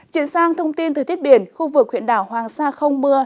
chuyển sang thông tin thời tiết biển khu vực huyện đảo hoàng sa không mưa